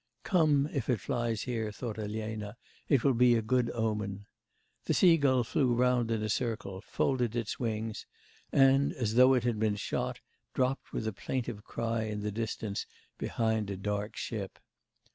'Come, if it flies here,' thought Elena, 'it will be a good omen.' ... The sea gull flew round in a circle, folded its wings, and, as though it had been shot, dropped with a plaintive cry in the distance behind a dark ship.